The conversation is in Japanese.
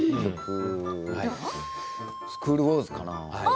「スクール・ウォーズ」かな。